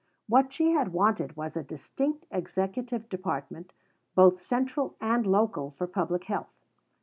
What she had wanted was a distinct Executive Department, both central and local, for Public Health.